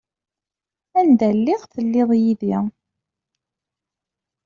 Anda lliɣ telliḍ yid-i.